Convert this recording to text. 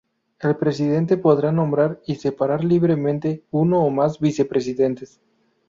El presidente podrá nombrar y separar libremente uno o más vicepresidentes.